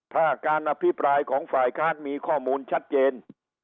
ถ้าการอภิปรายของฝ่ายค้านมีข้อมูลชัดเจน